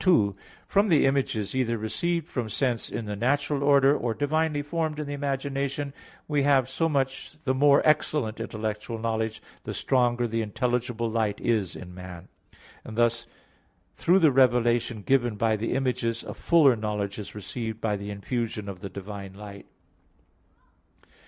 2: From the images either received from sense in the natural order, or divinely formed in the imagination, we have so much the more excellent intellectual knowledge, the stronger the intelligible light is in man; and thus through the revelation given by the images a fuller knowledge is received by the infusion of the divine light.